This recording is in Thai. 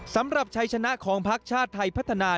สำหรับชัยชนะของพักชาติไทยพัฒนา